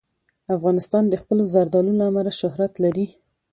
افغانستان د خپلو زردالو له امله شهرت لري.